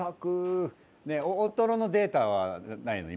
ねえ大トロのデータはないの？